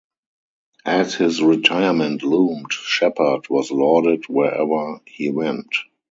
As his retirement loomed, Shepherd was lauded wherever he went.